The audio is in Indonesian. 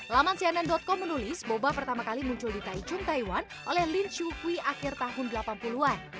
laman cnn com menulis boba pertama kali muncul di taichun taiwan oleh lin chukui akhir tahun delapan puluh an